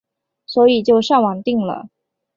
所以就上网订了